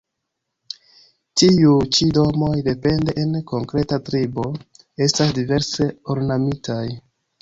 Tiuj ĉi domoj, depende en konkreta tribo, estas diverse ornamitaj.